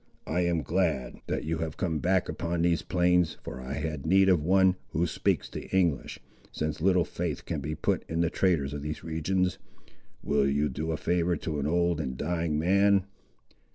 I am glad, that you have come back upon these plains, for I had need of one, who speaks the English, since little faith can be put in the traders of these regions. Will you do a favour to an old and dying man?"